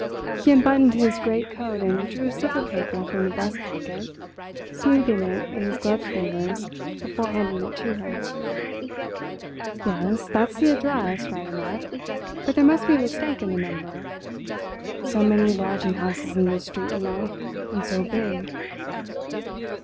He unbuttoned his greatcoat and drew a slip of paper from the breast pocket, smoothing it in his gloved fingers before handing it to her. "Yes, that's the address, right enough, but there must be a mistake in the number. So many lodging houses in this street, you know, and so big."